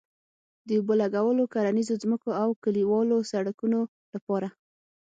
د اوبه لګولو، کرنيزو ځمکو او کلیوالو سړکونو لپاره